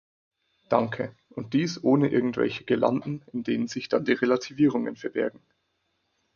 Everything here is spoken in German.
Danke, und dies ohne irgendwelche Girlanden, in denen sich dann die Relativierungen verbergen.